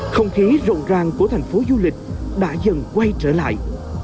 không khí rộn ràng của thành phố du lịch đã dần quay trở lại